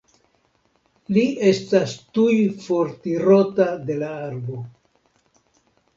Li estas tuj fortirota de la arbo.